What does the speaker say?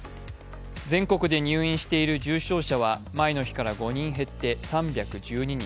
全国で入院している重症者は前の日から５人減って３１２人。